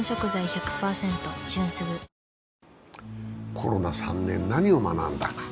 コロナ３年、何を学んだか。